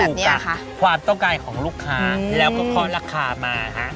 รึ้นอยู่กับความต้องการของลูกค้าแล้วก็คอลราคามา